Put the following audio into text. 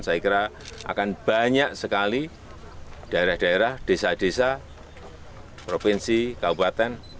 saya kira akan banyak sekali daerah daerah desa desa provinsi kabupaten